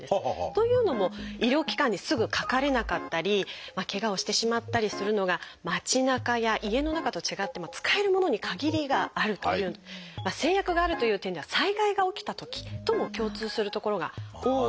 というのも医療機関にすぐかかれなかったりケガをしてしまったりするのが街なかや家の中と違って使えるものに限りがあるという制約があるという点では災害が起きたときとも共通するところが多い。